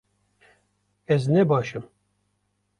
Ez ne baş im